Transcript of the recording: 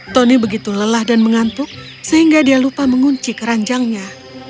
tony begitu lelah dan mengantuk sehingga dia lupa mengunci keranjangnya